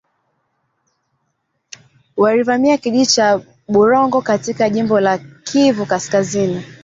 walivamia kijiji cha Bulongo katika jimbo la Kivu kaskazini